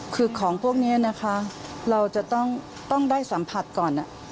คือของพวกนี้นะคะเราจะต้องได้สัมผัสก่อน